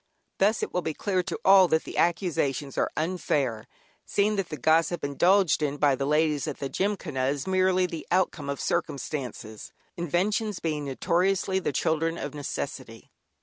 Thus it will be clear to all that the accusations are unfair, seeing that the gossip indulged in by the ladies at the Gymkhana is merely the outcome of circumstances, inventions being notoriously the children of necessity.